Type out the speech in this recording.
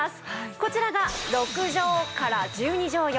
こちらが６畳から１２畳用。